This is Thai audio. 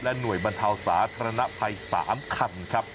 หน่วยบรรเทาสาธารณภัย๓คันครับ